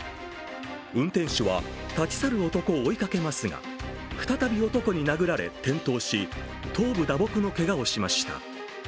運転手は立ち去る男を追いかけますが再び男に殴られ転倒し頭部打撲のけがをしました。